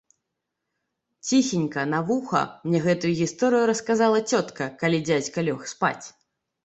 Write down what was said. Ціхенька на вуха мне гэтую гісторыю расказала цётка, калі дзядзька лёг спаць.